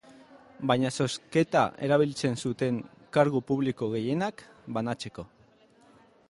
Baina zozketa erabiltzen zuten kargu publiko gehienak banatzeko.